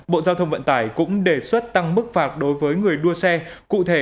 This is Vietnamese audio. bộ giao thông vận tải cũng đề xuất tăng mức phạt đối với người đua xe cụ thể